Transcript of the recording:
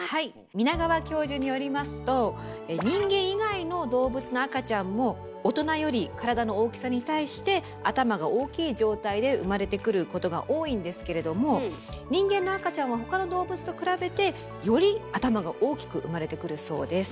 皆川教授によりますと人間以外の動物の赤ちゃんも大人より体の大きさに対して頭が大きい状態で生まれてくることが多いんですけれども人間の赤ちゃんは他の動物と比べてより頭が大きく生まれてくるそうです。